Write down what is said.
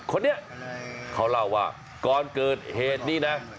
คนนี้เขาเล่าว่าก่อนเกิดเหตุนี้นะ